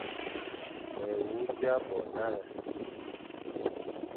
Mé wu dia bo nale,